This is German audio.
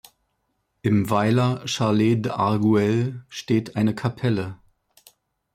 Im Weiler Chalet d’Arguel steht eine Kapelle.